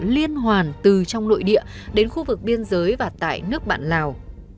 liên hoàn từ trong nội địa đến khu vực biên giới và tại nước bạn lào